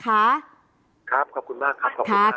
ครับขอบคุณมากครับขอบคุณมาก